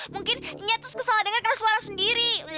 mungkin nyak tuh kesalah denger karena suara sendiri